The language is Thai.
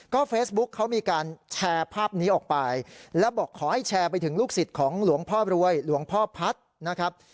เฟซบุ๊คเขามีการแชร์ภาพนี้ออกไปแล้วบอกขอให้แชร์ไปถึงลูกศิษย์ของหลวงพ่อรวยหลวงพ่อพัฒน์นะครับ